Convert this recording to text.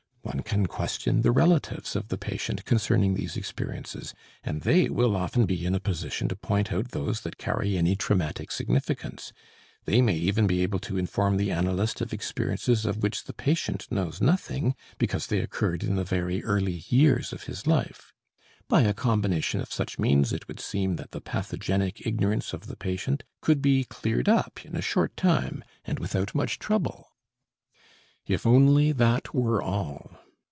One can question the relatives of the patient concerning these experiences, and they will often be in a position to point out those that carry any traumatic significance; they may even be able to inform the analyst of experiences of which the patient knows nothing because they occurred in the very early years of his life. By a combination of such means it would seem that the pathogenic ignorance of the patient could be cleared up in a short time and without much trouble. If only that were all!